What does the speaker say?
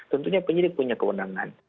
tentunya penyidik punya kewenangan